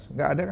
nggak ada kan